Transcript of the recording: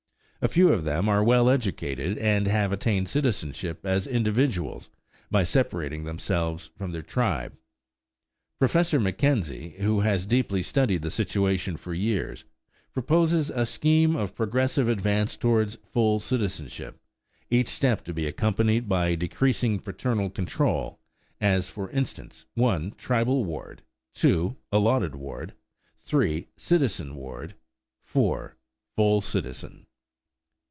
A few of them are well educated and have attained citizenship as individuals by separating themselves from their tribe. Professor McKenzie, who has deeply studied the situation for years, proposes a scheme of progressive advance toward full citizenship, each step to be accompanied by decreasing paternal control: as, for instance: (1) Tribal ward; (2) Allotted ward; (3) Citizen ward; (4) Full citizen.